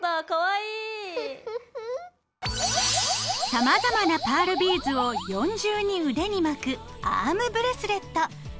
さまざまなパールビーズを４重に腕に巻くアームブレスレット。